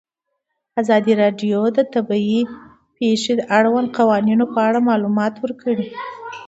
ازادي راډیو د طبیعي پېښې د اړونده قوانینو په اړه معلومات ورکړي.